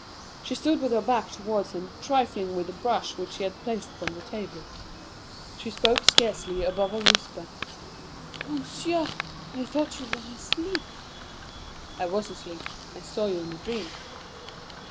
She stood with her back towards him, trifling with a brush which he had placed upon the table. She spoke scarcely above a whisper. "Monsieur, I thought you were asleep." "I was asleep. I saw you in a dream."